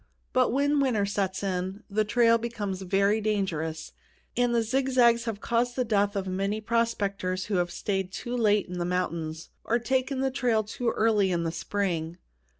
But when winter sets in, the trail becomes very dangerous, and the zigzags have caused the death of many prospectors who have stayed too late in the mountains, or taken the trail too early in the spring.